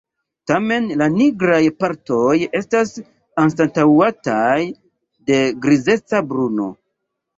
Tamen la nigraj partoj estas anstataŭataj de grizeca bruno.